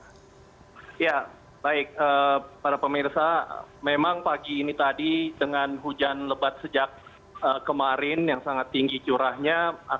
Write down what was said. ya baik para pemirsa memang pagi ini tadi dengan hujan lebat sejak kemarin yang sangat tinggi curahnya